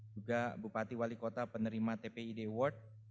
juga bupati wali kota penerima tpid world